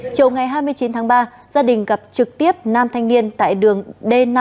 chiều ngày hai mươi chín tháng ba gia đình gặp trực tiếp nam thanh niên tại đường d năm